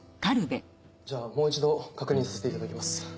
じゃあもう一度確認させていただきます。